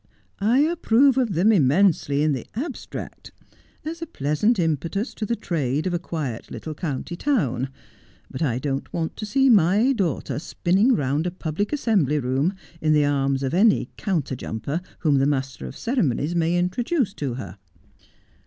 ' I approve of them immensely in the abstract, as a pleasant impetus to the trade of a quiet little county town, but I don't want to see my daughter spinning round a public assembly room iii the arms of any counterjumper whom the master of the ceremonies may introduce to her.'